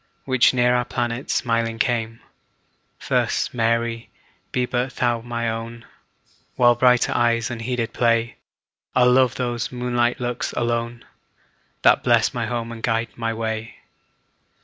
Which near our planet smiling came; Thus, Mary, be but thou my own; While brighter eyes unheeded play, I'll love those moonlight looks alone, That bless my home and guide my way.